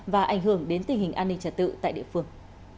và ảnh hưởng đến tình hình an ninh trật tự tại địa phương